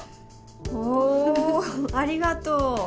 おぉありがとう。